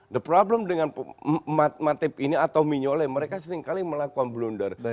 the problem dengan matip ini atau minole mereka seringkali melakukan blunder